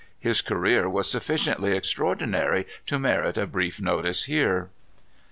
His career was sufficiently extraordinary to merit a brief notice here.